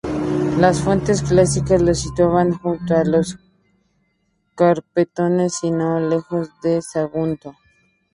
Las fuentes clásicas los situaban junto a los carpetanos y no lejos de Sagunto.